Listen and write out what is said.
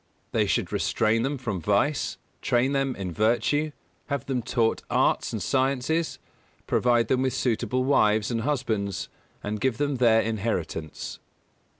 They should restrain them from vice, train them in virtue; have them taught arts and sciences; provide them with suitable wives and husbands, and give them their inheritance.